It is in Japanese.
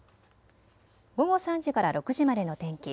午後３時から６時までの天気。